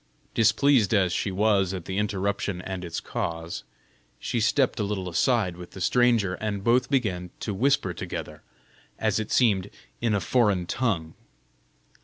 Displeased as she was at the interruption and its cause, she stepped a little aside with the stranger, and both began to whisper together, as it seemed, in a foreign tongue.